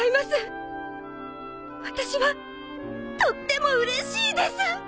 私はとってもうれしいです！